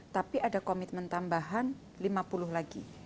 tapi ada komitmen tambahan lima puluh lagi